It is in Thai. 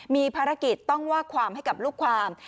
มีภารกิจต้องว่าความให้กับลูกความ